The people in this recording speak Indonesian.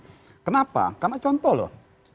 sekedar itu kenapa karena contoh loh